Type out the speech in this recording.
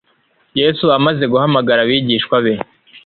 Yesu amaze guhamagara abigishwa be,